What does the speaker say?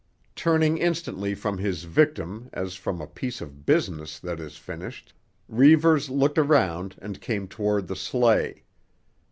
Turning instantly from his victim as from a piece of business that is finished, Reivers looked around and came toward the sleigh.